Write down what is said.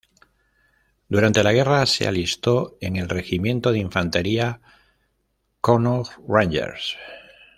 Durante la guerra se alistó en el Regimiento de Infantería Connaught Rangers.